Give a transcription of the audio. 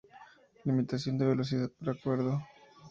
Limitación de velocidad por acuerdo.